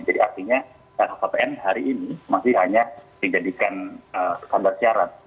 jadi artinya lhkpn hari ini masih hanya dijadikan standar syarat